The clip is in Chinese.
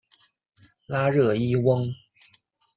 拉热伊翁。